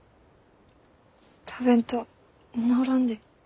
食べんと治らんで。